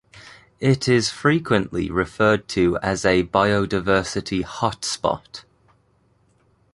It is frequently referred to as a biodiversity hotspot.